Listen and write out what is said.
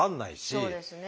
そうですね。